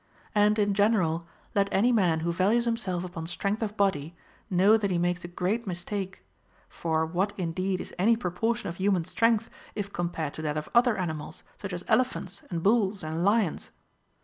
And, in general, let any man who values himself upon strength of body know that he makes a great mistake ; for what indeed is any proportion of human strength, if compared to that of other animals, such as elephants and bulls and lions